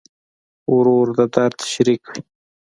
ورور د درد شریک وي.